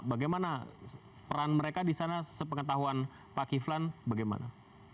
bagaimana peran mereka di sana sepengetahuan pak kiflan bagaimana